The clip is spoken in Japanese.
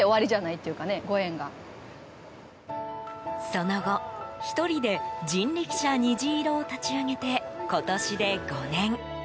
その後、１人で人力車にじいろを立ち上げて今年で５年。